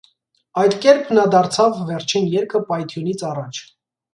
Այդկերպ նա դարձավ վերջին երգը պայթյունից առաջ։